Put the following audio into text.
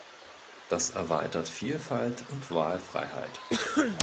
Das erweitert Vielfalt und Wahlfreiheit.